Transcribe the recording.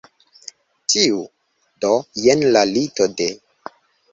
Tiu? Do jen la lito de